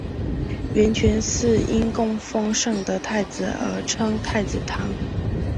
圆泉寺因供奉圣德太子而称太子堂。